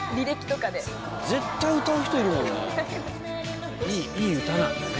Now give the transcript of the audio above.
絶対歌う人いるよね。